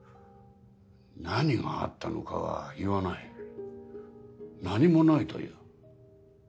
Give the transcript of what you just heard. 何があったのかは言わない何もないと言う。